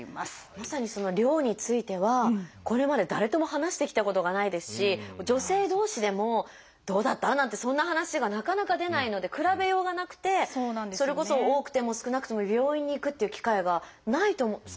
まさにその「量」についてはこれまで誰とも話してきたことがないですし女性同士でも「どうだった？」なんてそんな話がなかなか出ないので比べようがなくてそれこそ多くても少なくても病院に行くっていう機会がない少ないと思うんですよね。